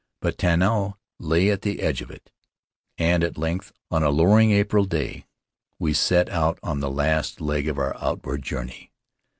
But Tanao lay at the edge of it, and at length, on a lowering April day, we set out on that last leg of our outward journey.